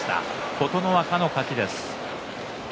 琴ノ若の勝ちです。